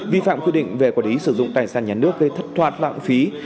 vi phạm quy định về quản lý sử dụng tài sản nhà nước gây thất thoát lãng phí